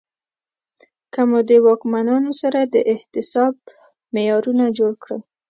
که مو د واکمنانو سره د احتساب معیارونه جوړ کړل